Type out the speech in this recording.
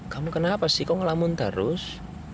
kamu kenapa sih kok ngelamun terus